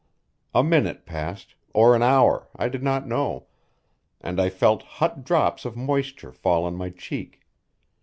A minute passed, or an hour I did not know and I felt hot drops of moisture fall on my cheek.